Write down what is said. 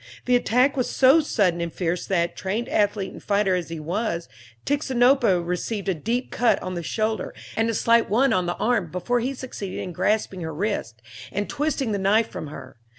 The attack was so sudden and fierce that, trained athlete and fighter as he was, Tixinopa received a deep cut on the shoulder and a slight one on the arm before he succeeded in grasping her wrist, and twisting the knife from her.